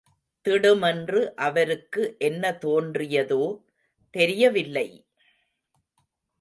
திடுமென்று அவருக்கு என்ன தோன்றியதோ தெரியவில்லை!